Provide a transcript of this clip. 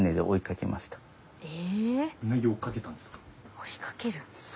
追いかける？